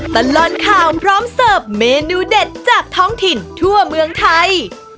ตลอดข่าวพร้อมเสิร์ฟเมนูเด็ดจากท้องถิ่นทั่วเมืองไทย